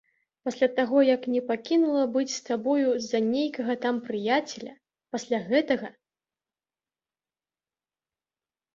Пасля таго як не пакінула быць з табою за нейкага там прыяцеля, пасля гэтага?